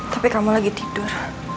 tapi kamu lagi tidur